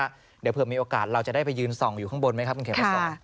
เดี๋ยวเผื่อมีโอกาสเราจะได้ไปยืนส่องอยู่ข้างบนไหมครับคุณเขียนมาสอน